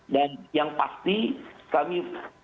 dan yang pasti kami